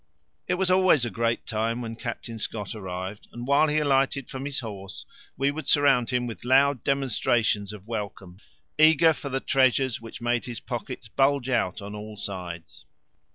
It was always a great time when Captain Scott arrived, and while he alighted from his horse we would surround him with loud demonstrations of welcome, eager for the treasures which made his pockets bulge out on all sides.